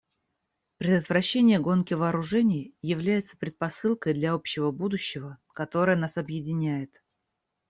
Предотвращение гонки вооружений является предпосылкой для общего будущего, которое нас объединяет.